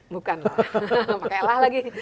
bukan pakailah lagi